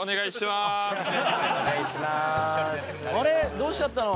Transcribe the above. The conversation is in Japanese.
どうしちゃったの？